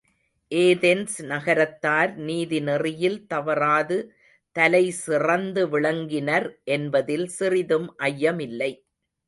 Athens நகரத்தார் நீதி நெறியில் தவறாது தலைசிறந்து விளங்கினர் என்பதில் சிறிதும் ஐயமில்லை.